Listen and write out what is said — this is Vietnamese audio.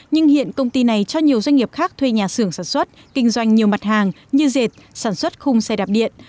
nhưng hiện công ty này cho nhiều doanh nghiệp khác thuê nhà xưởng sản xuất kinh doanh nhiều mặt hàng như dệt sản xuất khung xe đạp điện